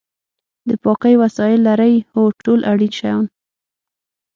د پاکۍ وسایل لرئ؟ هو، ټول اړین شیان